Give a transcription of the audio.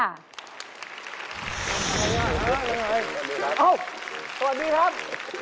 อ้าวสวัสดีครับ